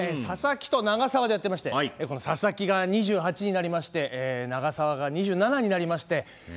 佐々木と永沢でやってましてこの佐々木が２８になりまして永沢が２７になりまして。